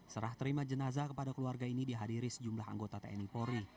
serah terima jenazah kepada keluarga ini dihadiri sejumlah anggota tni polri